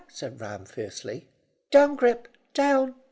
said Ram fiercely. "Down, Grip, down!"